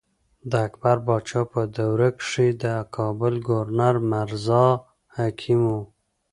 د اکبر باچا په دور کښې د کابل ګورنر مرزا حکيم وو۔